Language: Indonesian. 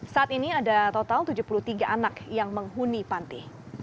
saat ini ada total tujuh puluh tiga anak yang menghuni panti